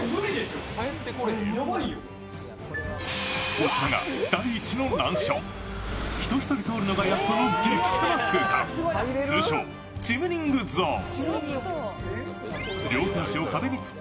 こちらが第１の難所、人１人通るのがやっとの激狭空間、通称・チムニングゾーン。